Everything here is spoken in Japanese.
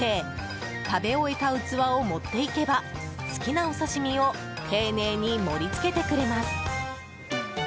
食べ終えた器を持っていけば好きなお刺し身を丁寧に盛り付けてくれます。